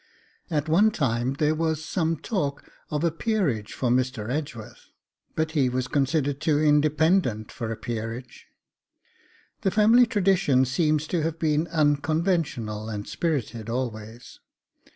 At one time there was some talk of a peerage for Mr. Edgeworth, but he was considered too independent for a peerage. The family tradition seems to have been unconventional and spirited always.